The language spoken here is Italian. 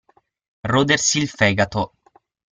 Rodersi il fegato.